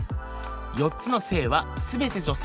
４つの性は全て女性。